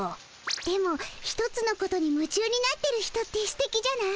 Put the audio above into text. でも一つのことにむちゅうになってる人ってすてきじゃない？